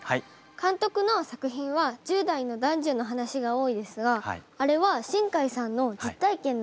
監督の作品は１０代の男女の話が多いですがあれは新海さんの実体験なんですか？